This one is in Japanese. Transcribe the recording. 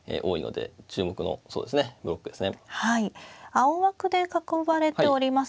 青枠で囲われております